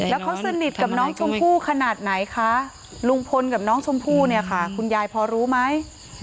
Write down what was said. แล้วเขาสนิทกับน้องชมพู่ขนาดไหนคะลุงพลกับน้องชมพู่เนี่ยค่ะคุณยายพอรู้ไหม